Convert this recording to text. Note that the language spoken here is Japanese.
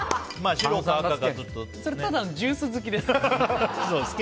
それ、ただのジュース好きです。